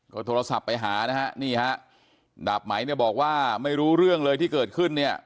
ก็โทรศัพท์ไปหานะฮะดาบไหมบอกว่าไม่รู้เรื่องเลยที่เกิดขึ้น